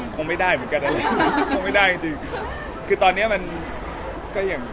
คงไม่ได้เหมือนกัน